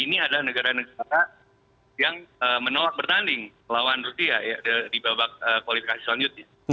ini adalah negara negara yang menolak bertanding lawan rusia di babak kualifikasi selanjutnya